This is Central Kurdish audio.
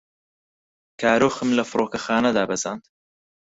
کارۆخم لە فڕۆکەخانە دابەزاند.